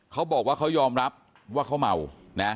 เขาบอกว่าเขายอมรับว่าเขาเมานะ